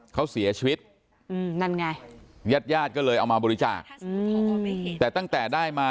เขาเสียชีวิตอืมนั่นไงญาติญาติก็เลยเอามาบริจาคแต่ตั้งแต่ได้มา